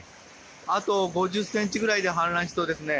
あと５０ｃｍぐらいで氾濫しそうです。